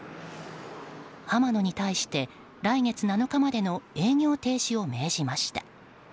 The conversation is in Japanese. はま乃に対して来月７日までの営業停止を命じました。